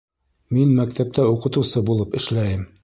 Мин мәктәптә уҡытыусы булып эшләйем.